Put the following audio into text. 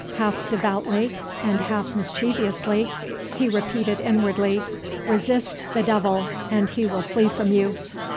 Half devoutly and half mischievously he repeated inwardly, "Resist the Devil and he will flee from you."